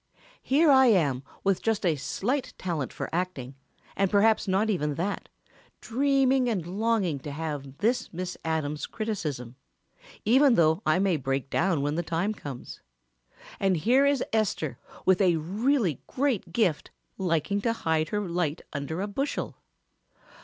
"Here I am with just a slight talent for acting, and perhaps not even that, dreaming and longing to have this Miss Adams' criticism, even though I may break down when the time comes, and here is Esther with a really great gift liking to hide her light under a bushel.